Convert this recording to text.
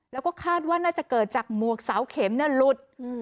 แล้วก็คาดว่าน่าจะเกิดจากหมวกเสาเข็มหลุด